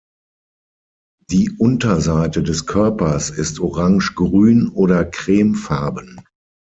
Die Unterseite des Körpers ist orange grün oder cremefarben.